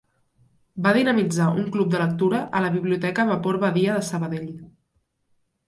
Va dinamitzar un club de lectura a la Biblioteca Vapor Badia de Sabadell.